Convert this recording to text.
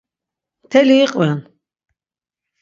Mteli iqven.